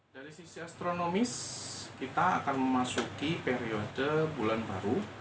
dari sisi astronomis kita akan memasuki periode bulan baru